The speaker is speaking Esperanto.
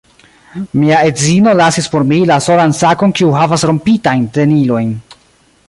Mia edzino lasis por mi la solan sakon kiu havas rompitajn tenilojn